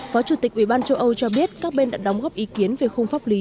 phó chủ tịch ủy ban châu âu cho biết các bên đã đóng góp ý kiến về khung pháp lý